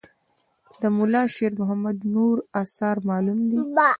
د ملا شیر محمد نور آثار معلوم دي.